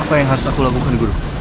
apa yang harus aku lakukan guru